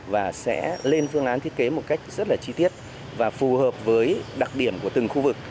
và sẽ lên phương án thiết kế một cách rất là chi tiết và phù hợp với đặc điểm của từng khu vực